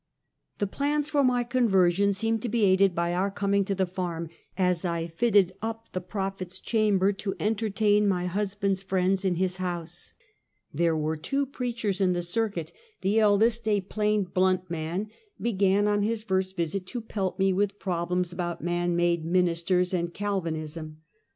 The plans for ray conversion seemed to be aided by our coming to the farm, as I fitted up the " prophet's chamber " to entertain my husband's friends in his house. There were two preachers in the circuit. The eldest, a plain, blunt man, began on his first visit to pelt me with problems about " man made ministers " and Calvinism.